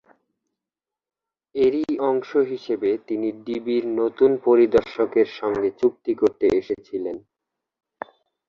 এরই অংশ হিসেবে তিনি ডিবির নতুন পরিদর্শকের সঙ্গে চুক্তি করতে এসেছিলেন।